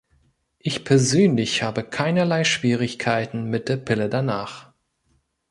Ich persönlich habe keinerlei Schwierigkeiten mit der "Pille danach".